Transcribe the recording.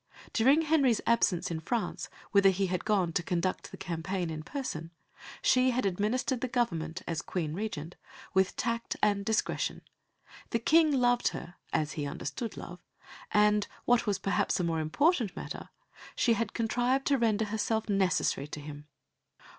During Henry's absence in France, whither he had gone to conduct the campaign in person, she had administered the Government, as Queen Regent, with tact and discretion; the King loved her as he understood love and, what was perhaps a more important matter, she had contrived to render herself necessary to him.